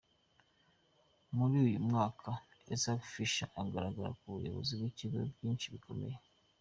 Muri uyu mwaka, Itzhak Fisher agaragara mu buyobozi bw’ibigo byinshi bikomeye.